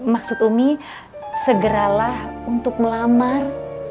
maksud umi segeralah untuk melamar